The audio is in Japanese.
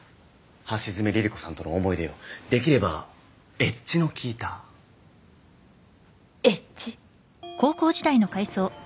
橋爪リリ子さんとの思い出をできればエッジの利いたエッジ？